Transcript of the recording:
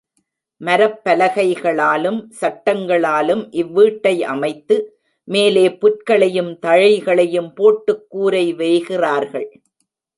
மரப் பலகைகளாலும், சட்டங்களாலும் இவ் வீட்டை அமைத்து, மேலே புற்களையும், தழைகளையும் போட்டுக் கூரை வேய்கிறார்கள்.